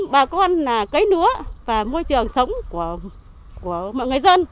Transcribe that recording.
bà con là cấy lúa và môi trường sống của mọi người dân